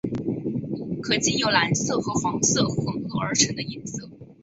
可经由蓝色和黄色混和而成的颜色。